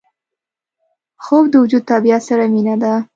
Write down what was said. خوب د وجود طبیعت سره مینه ده